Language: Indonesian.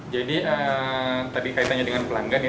jadi tadi kaitannya dengan pelanggan ya